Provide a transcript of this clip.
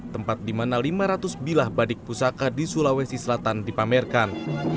tempat di mana lima ratus bilah badik pusaka di sulawesi selatan dipamerkan